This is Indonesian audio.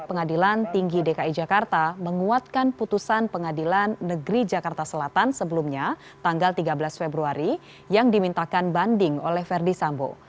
pengadilan tinggi dki jakarta menguatkan putusan pengadilan negeri jakarta selatan sebelumnya tanggal tiga belas februari yang dimintakan banding oleh ferdi sambo